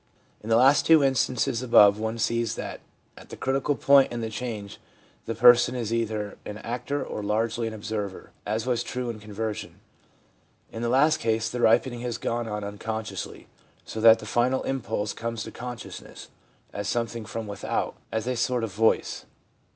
In the last two instances above, one sees that at the critical point in the change the person is either an actor or largely an observer, as was true in conver sion. In the last case, the ripening has gone on unconsciously, so that the final impulse comes to consciousness as something from without, as a sort of voice.